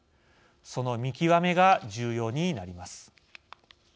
その見極めが重要になります。